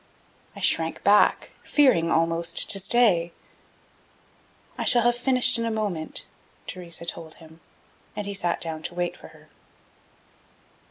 I shrank back, fearing, almost, to stay. "I shall have finished in a moment," Theresa told him, and he sat down to wait for her.